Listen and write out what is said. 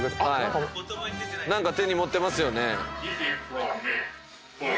何か手に持ってますよね。